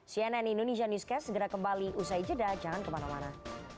cnn indonesia newscast segera kembali usai jeda jangan kemana mana